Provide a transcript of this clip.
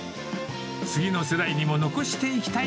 次の世代にも残していきたい。